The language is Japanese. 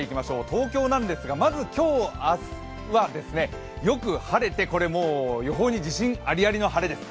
東京なんですがまず今日、明日はよく晴れてこれもう予報に自信ありありの晴れです。